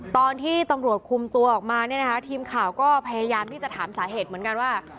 ตอนที่ตำรวจคุมตัวออกมาเนี่ยนะคะทีมข่าวก็พยายามที่จะถามสาเหตุเหมือนกันว่า